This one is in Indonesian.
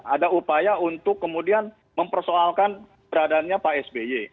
ada upaya untuk kemudian mempersoalkan beradanya pak sby